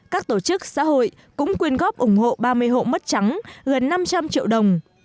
các tổ chức xã hội cũng quyên góp ủng hộ ba mươi hộ mất trắng gần năm trăm linh triệu đồng